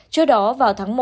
trước đó vào tháng một